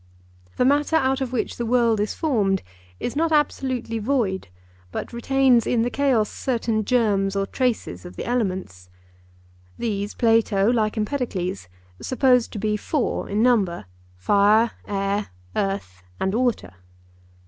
The matter out of which the world is formed is not absolutely void, but retains in the chaos certain germs or traces of the elements. These Plato, like Empedocles, supposed to be four in number—fire, air, earth, and water.